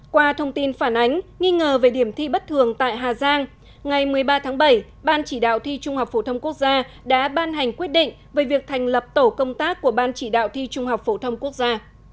qua thông tin phản ánh nghi ngờ về điểm thi bất thường tại hà giang ngày một mươi ba tháng bảy ban chỉ đạo thi trung học phổ thông quốc gia đã ban hành quyết định về việc thành lập tổ công tác của ban chỉ đạo thi trung học phổ thông quốc gia